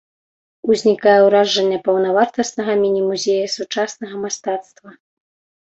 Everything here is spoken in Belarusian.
Узнікае ўражанне паўнавартаснага міні-музея сучаснага мастацтва.